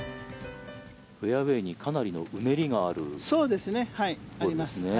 フェアウェーにかなりのうねりがあるホールですね。